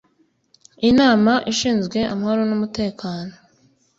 inama ishinzwe amahoro n'umutekano